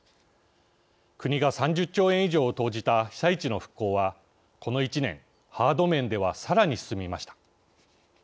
国が３０兆円以上を投じた被災地の復興は、この１年ハード面ではさらに進みました。